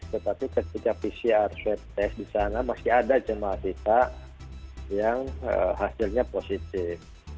tetapi ketika pcr swab test di sana masih ada jemaah siswa yang hasilnya positif